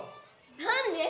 何で？